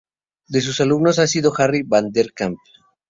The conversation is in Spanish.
Uno de sus alumnos ha sido Harry van der Kamp.